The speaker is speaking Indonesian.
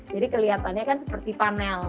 jadi keliatannya kan seperti panel